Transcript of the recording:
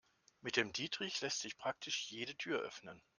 Mit dem Dietrich lässt sich praktisch jede Tür öffnen.